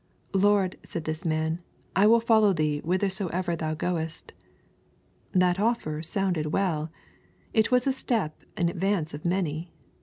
" Lord," said this man, " I will follow thee whithersoever thou goest." — That offer sounded well It was a step in advance of many.